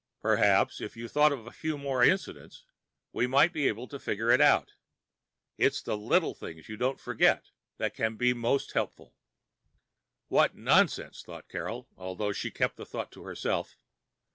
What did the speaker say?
"Perhaps if you thought of a few more incidents, we might figure it out. It's the little things you don't forget that can be most helpful." What nonsense, thought Carol, although she kept the thought to herself.